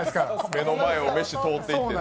目の前を飯、通っていってね。